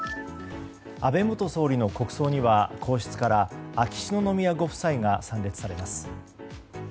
安倍元総理の国葬には皇室から秋篠宮ご夫妻が参列されます。